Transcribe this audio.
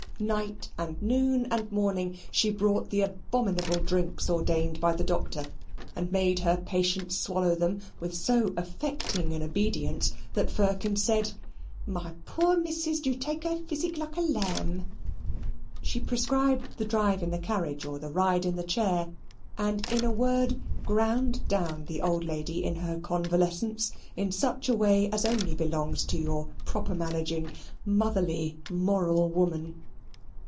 Night and noon and morning she brought the abominable drinks ordained by the Doctor, and made her patient swallow them with so affecting an obedience that Firkin said "my poor Missus du take her physic like a lamb." She prescribed the drive in the carriage or the ride in the chair, and, in a word, ground down the old lady in her convalescence in such a way as only belongs to your proper managing, motherly moral woman.